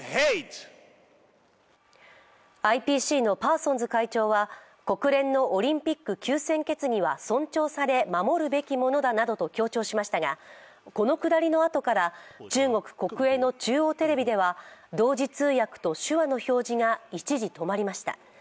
ＩＰＣのパーソンズ会長は、国連のオリンピック休戦決議は尊重され守るべきものだなどと強調しましたがこのくだりのあとから、中国国営の中央テレビでは同時通訳と手話の表示が一時、止まりました。